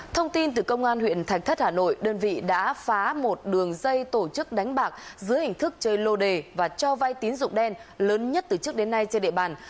thông tin từ công an huyện thạch thất hà nội đơn vị đã phá một đường dây tổ chức đánh bạc dưới hình thức chơi lô đề và cho vai tín dụng đen lớn nhất từ trước đến nay trên địa bàn